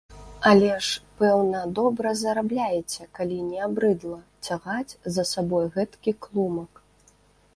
Але ж, пэўна, добра зарабляеце, калі не абрыдла цягаць за сабой гэткі клумак.